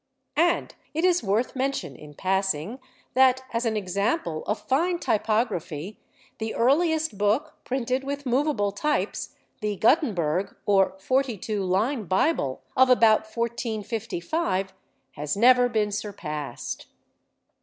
And it is worth mention in passing that, as an example of fine typography, the earliest book printed with movable types, the Gutenberg, or "forty two line Bible" of about 1455, has never been surpassed.